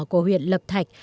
của huyện lập thạch